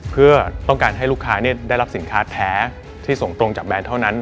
เพื่อต้องการให้ลูกค้าได้รับสินค้าแท้ที่ส่งตรงจากแบรนด์เท่านั้น